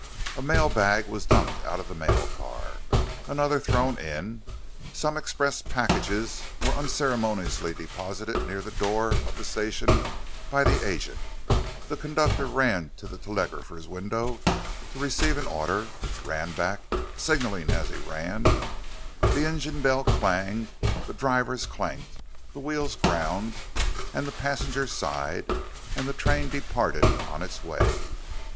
A mail bag was dumped out of the mail car, another thrown in; some express packages were unceremoniously deposited near the door of the station by the agent; the conductor ran to the telegrapher's window to receive an order; ran back, signaling as he ran; the engine bell clanged, the drivers clanked, the wheels ground, the passengers sighed, and the train departed on its way.